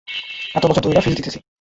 এত বছর ধইরা ফিস দিতেছি!